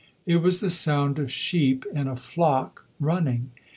It was the sound of sheep in a flock running.